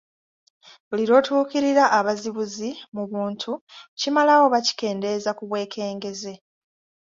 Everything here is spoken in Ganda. Buli lw’otuukirira abazibuzi mu buntu, kimalawo oba kikendeeza ku bwekengeze.